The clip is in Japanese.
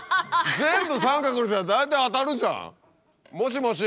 全部△にしたら大体当たるじゃん！もしもし？